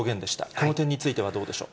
この点についてはどうでしょう。